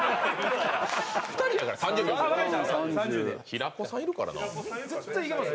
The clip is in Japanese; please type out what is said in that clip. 平子さんいるからな。